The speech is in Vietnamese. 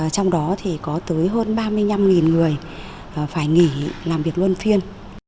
trong đó thì có tới hơn ba mươi năm người phải nghỉ làm việc luân phiên